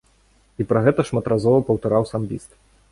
І пра гэта шматразова паўтараў самбіст.